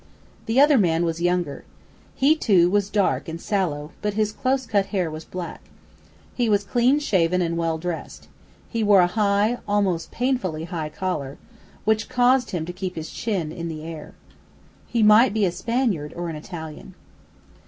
The other man was younger. He, too, was dark and sallow, but his close cut hair was black. He was clean shaven and well dressed. He wore a high, almost painfully high, collar, which caused him to keep his chin in air. He might be a Spaniard or an Italian.